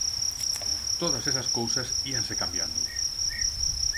Todas esas cousas íanse cambiando.